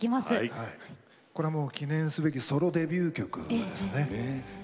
これは記念すべきソロデビュー曲ですね。